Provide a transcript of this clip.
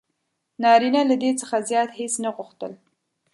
نارینه له دې څخه زیات هیڅ نه غوښتل: